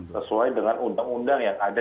sesuai dengan undang undang yang ada